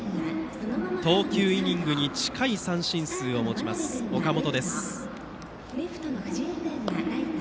投球イニングに近い三振数を持つ岡本。